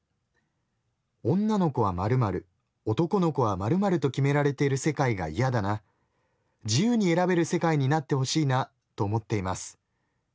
「女の子は○○男の子は○○と決められてる世界が嫌だな自由に選べる世界になって欲しいなと思っています。